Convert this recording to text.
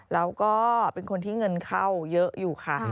แล้วก็เป็นคนที่เงินเข้าเยอะอยู่ค่ะ